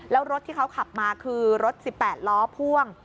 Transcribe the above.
แล้วรถที่เขาขับมาคือรถ๑๘ล้อพ่วง